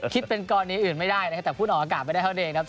คิดเป็นกรณีอื่นไม่ได้นะครับแต่พูดออกอากาศไม่ได้เท่านั้นเองครับ